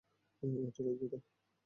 এটা লাগিয়ে দাও!